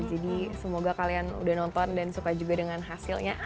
jadi semoga kalian udah nonton dan suka juga dengan hasilnya